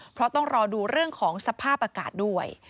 เพราะต้องรอดูเรื่องของสภาพอากาศด้วย